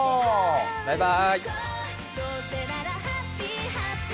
バイバーイ！